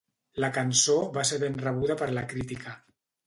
La cançó va ser ben rebuda per la crítica.